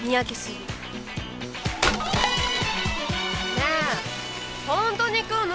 ねえホントに来るの？